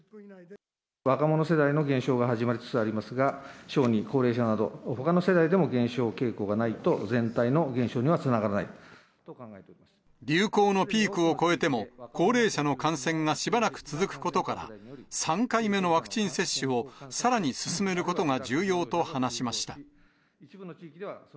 若者世代の減少が始まりつつありますが、小児、高齢者など、ほかの世代でも減少傾向がないと全体の減少に流行のピークを越えても、高齢者の感染がしばらく続くことから、３回目のワクチン接種を、さらに進めることが重要と話しました。